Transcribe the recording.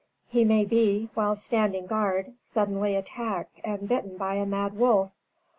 He may be, while standing guard, suddenly attacked and bitten by a mad wolf.